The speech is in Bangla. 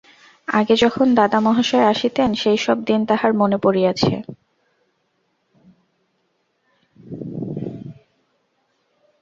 আগে যখন দাদামহাশয় আসিতেন, সেইসব দিন তাহার মনে পড়িয়াছে।